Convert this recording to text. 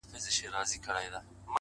صبر د وخت له ازموینې سره مل وي.